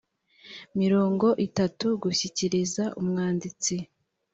mirongo itatu gushyikiriza umwanditsi